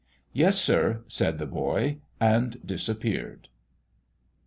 "Yes, sir," said the boy and disappeared.